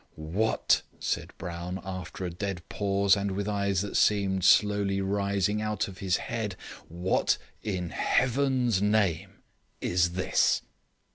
"What," said Brown, after a dead pause, and with eyes that seemed slowly rising out of his head, "What in heaven's name is this?"